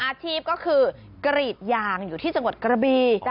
อาชีพก็คือกรีดยางอยู่ที่จังหวัดกระบี